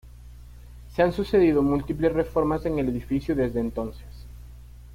Se han sucedido múltiples reformas en el edificio desde entonces.